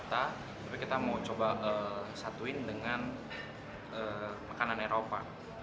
tapi kita mau coba satuin dengan makanan eropa